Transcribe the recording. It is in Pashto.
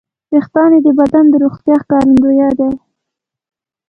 وېښتيان د بدن د روغتیا ښکارندوی دي.